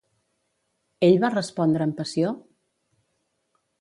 Ell va respondre amb passió?